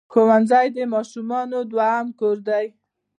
ښوونځی د ماشومانو دوهم کور دی.